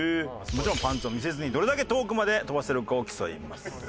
もちろんパンツを見せずにどれだけ遠くまで飛ばせるかを競います。